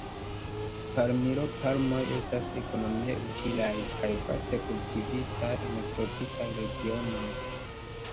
Palmiro-palmoj estas ekonomie utilaj, kaj vaste kultivitaj en tropikaj regionoj.